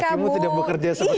kakimu tidak bekerja seperti itu